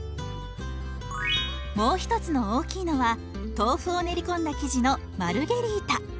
もう一つの大きいのは豆腐を練り込んだ生地のマルゲリータ。